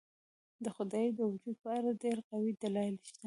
د خدای د وجود په اړه ډېر قوي دلایل شته.